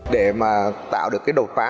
để mà tạo được cái đầu phá